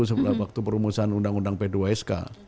setelah waktu perumusan undang undang p dua sk